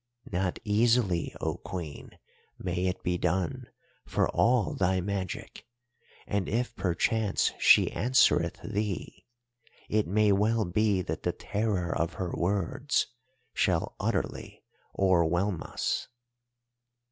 Not easily, O Queen, may it be done for all thy magic, and if perchance she answereth thee, it may well be that the terror of her words shall utterly o'erwhelm us.